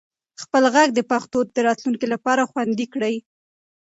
خپل ږغ د پښتو د راتلونکي لپاره خوندي کړئ.